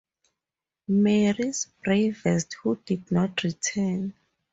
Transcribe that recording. Marie's bravest who did not return.